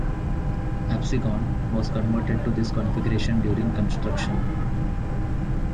"Absecon" was converted to this configuration during construction.